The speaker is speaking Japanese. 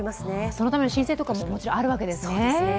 そのための申請とかももちろんあるわけですからね。